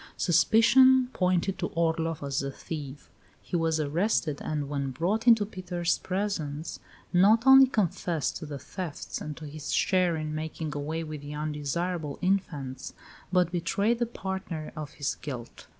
Suspicion pointed to Orloff as the thief; he was arrested, and, when brought into Peter's presence, not only confessed to the thefts and to his share in making away with the undesirable infants, but betrayed the partner of his guilt.